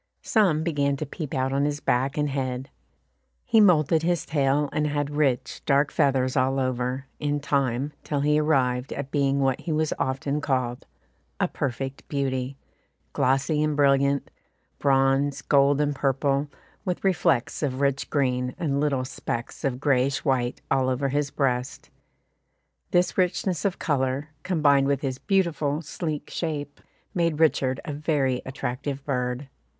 Some began to peep out of his back and head. He moulted his tail, and had rich, dark feathers all over, in time, till he arrived at being what he was often called, "a perfect beauty" glossy and brilliant, bronze gold and purple, with reflets of rich green, and little specks of greyish white all over his breast; this richness of colour, combined with his beautiful sleek shape, made Richard a very attractive bird.